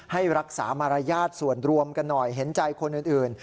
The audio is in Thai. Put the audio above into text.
ให้รักษามารยาทส่วนรวมกันหน่อยเห็นใจคนอื่น